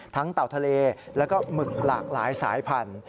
เต่าทะเลแล้วก็หมึกหลากหลายสายพันธุ